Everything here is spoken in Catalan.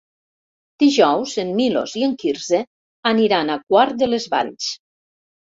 Dijous en Milos i en Quirze aniran a Quart de les Valls.